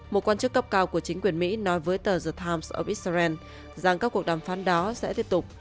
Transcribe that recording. một quan chức cấp cao của chính quyền mỹ nói với tờ the times ở israel rằng các cuộc đàm phán đó sẽ tiếp tục